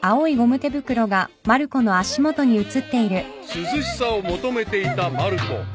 ［涼しさを求めていたまる子］